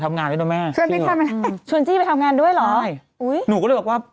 ต้องคอมแม่งงงงงงงงงงงงงง